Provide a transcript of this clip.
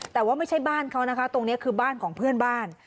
แต่ว่าไม่ใช่บ้านเขานะคะตรงนี้คือบ้านของเพื่อนบ้าน